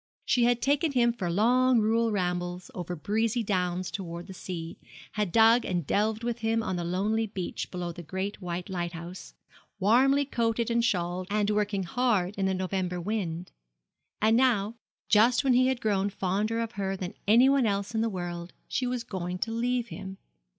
She had taken him for long rural rambles, over breezy downs towards the sea, had dug and delved with him on the lonely beach below the great white lighthouse, warmly coated and shawled, and working hard in the November wind; and now, just when he had grown fonder of her than anyone else in the world, she was going to leave him.